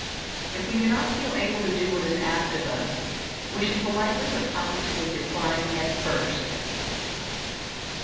If we do not feel able to do what is asked of us, we should politely but positively decline at first.